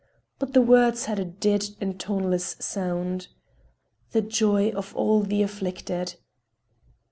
But the words had a dead and toneless sound. "The joy of all the afflicted!"